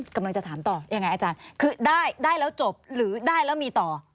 กำลังจะถามต่อยังไงอาจารย์คือได้แล้วจบหรือได้แล้วมีต่อ